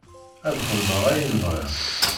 Ad xedmeɣ ayen bɣiɣ.